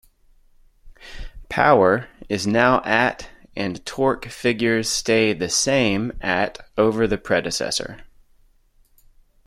Power is now at and torque figures stay the same at over the predecessor.